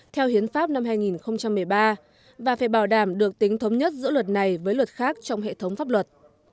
theo hiến pháp năm hai nghìn một mươi ba và phải bảo đảm được tính thống nhất giữa luật này với luật khác trong hệ thống pháp luật